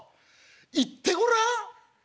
行ってごらん？